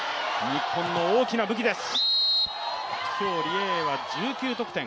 日本の大きな武器です。